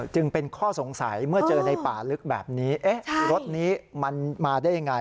จึงเป็นข้อสงสัยเมื่อเจอในป่าลึกแบบนี้รถนี้มันมาได้ยังไง